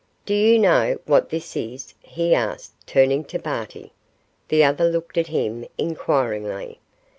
'Do you know what this is?' he asked, turning to Barty. The other looked at him inquiringly.